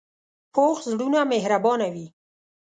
پوخ زړونه مهربانه وي